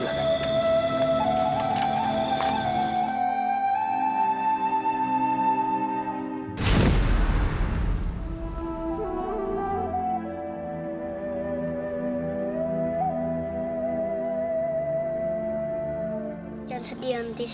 jangan sedih antis